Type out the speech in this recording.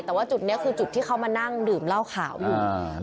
แต่ว่าจุดนี้คือจุดที่เขามานั่งดื่มเหล้าขาวอยู่